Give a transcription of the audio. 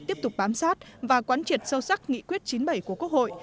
tiếp tục bám sát và quán triệt sâu sắc nghị quyết chín mươi bảy của quốc hội